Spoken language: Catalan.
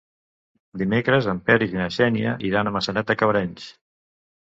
Dimecres en Peris i na Xènia iran a Maçanet de Cabrenys.